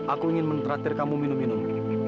aku ingin mentraktir kamu minum minum